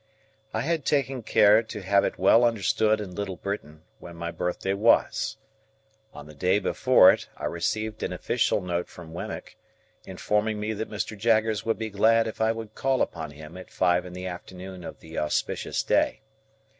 I had taken care to have it well understood in Little Britain when my birthday was. On the day before it, I received an official note from Wemmick, informing me that Mr. Jaggers would be glad if I would call upon him at five in the afternoon of the auspicious day.